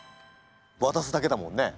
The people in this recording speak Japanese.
わたすだけだもんね。